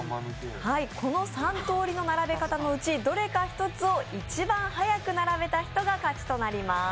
この３とおりの並べ方のうち、どれか１つを一番早く並べた人が勝ちとなります。